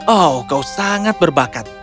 oh kau sangat berbakat